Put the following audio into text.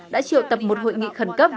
đã triệu tập một hội nghị khẩn cấp